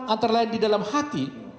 antara lain di dalam hati